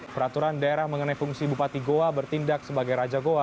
peraturan daerah mengenai fungsi bupati goa bertindak sebagai raja goa